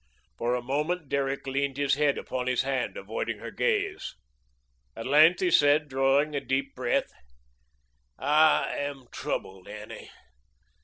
For a moment, Derrick leaned his head upon his hand, avoiding her gaze. At length, he said, drawing a deep breath: "I am troubled, Annie.